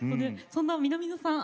そんな南野さん